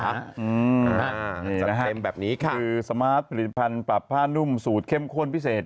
นี่จัดเต็มแบบนี้ค่ะคือสมาร์ทผลิตภัณฑ์ปรับผ้านุ่มสูตรเข้มข้นพิเศษ